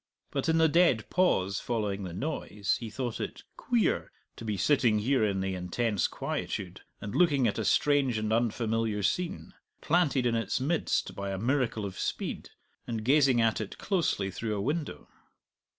But in the dead pause following the noise he thought it "queer" to be sitting here in the intense quietude and looking at a strange and unfamiliar scene planted in its midst by a miracle of speed, and gazing at it closely through a window!